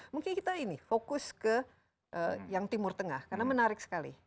mungkin kita ini fokus ke yang timur tengah karena menarik sekali